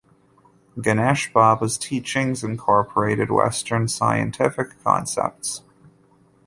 Ganesh Baba's teachings incorporated Western scientific concepts.